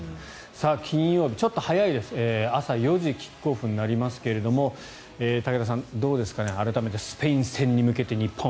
金曜日、ちょっと早いです朝４時キックオフになりますが武田さんどうですかね改めてスペイン戦に向けて日本。